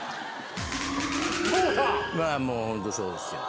まあもうホントそうですよ。